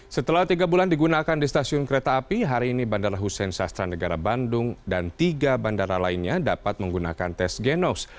setelah tiga bulan digunakan di stasiun kereta api hari ini bandara hussein sastra negara bandung dan tiga bandara lainnya dapat menggunakan tes genos